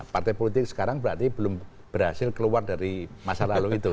partai politik sekarang berarti belum berhasil keluar dari masa lalu itu